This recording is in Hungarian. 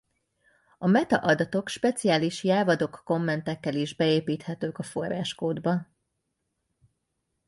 A metaadatok speciális Javadoc-kommentekkel is beépíthetőek a forráskódba.